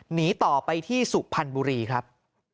หนีต่อไปที่สุพรรณบุรีครับ